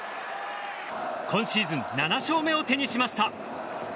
今シーズン７勝目を手にしました。